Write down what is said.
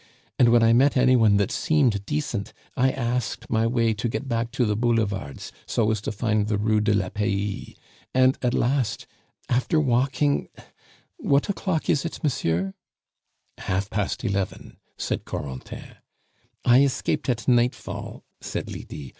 And when I met any one that seemed decent, I asked my way to get back to the Boulevards, so as to find the Rue de la Paix. And at last, after walking What o'clock is it, monsieur?" "Half past eleven," said Corentin. "I escaped at nightfall," said Lydie.